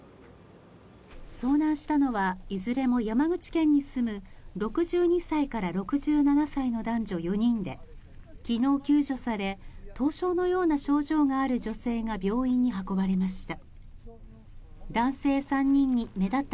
遭難したのはいずれも山口県に住む６２歳から６７歳の男女４人で昨日救助され凍傷のような症状のある女性が病院に運ばれました。